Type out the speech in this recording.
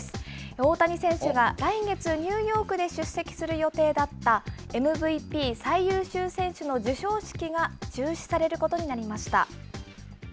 大谷選手が来月、ニューヨークで出席する予定だったＭＶＰ・最優秀選手の授賞式が中止されることになりました。